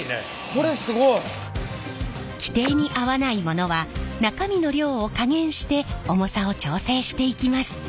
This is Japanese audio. これすごい。規定に合わないものは中身の量を加減して重さを調整していきます。